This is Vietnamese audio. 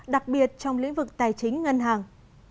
đặc biệt trong lĩnh vực tài chính ngân hàng